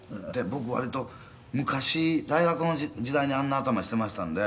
「僕割と昔大学の時代にあんな頭してましたんで」